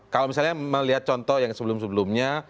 kalau misalnya melihat contoh yang sebelum sebelumnya